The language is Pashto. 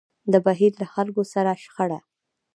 د بهير له خلکو سره شخړه.